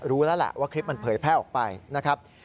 รู้แล้วแหละว่าคลิปมันเผยแพร่ออกไปนะครับ